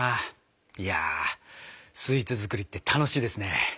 いやスイーツ作りって楽しいですね。